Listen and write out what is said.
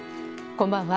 こんばんは。